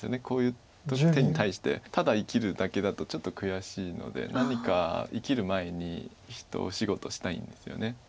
こういう手に対してただ生きるだけだとちょっと悔しいので何か生きる前に一仕事したいんですよね。